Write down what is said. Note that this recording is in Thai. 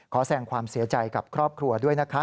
แสดงความเสียใจกับครอบครัวด้วยนะคะ